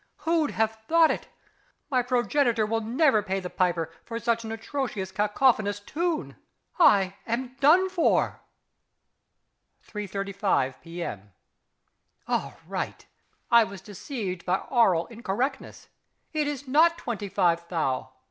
Who'd have thought it? My Progenitor will never pay the piper for such an atrociously cacophonous tune.... I am a done for! 3.35. All right. I was deceived by aural incorrectness. It is not twenty five _thou.